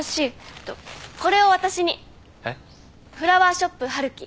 フラワーショップはるき。